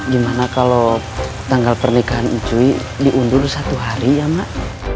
gimana kalau tanggal pernikahan itu diundur satu hari ya mak